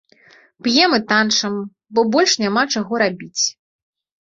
П'ем і танчым, бо больш няма чаго рабіць.